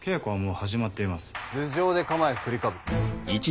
頭上で構え振りかぶる。